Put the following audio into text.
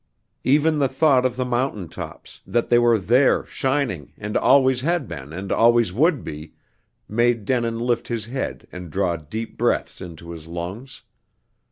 Even the thought of the mountain tops that they were there, shining, and always had been and always would be made Denin lift his head and draw deep breaths into his lungs.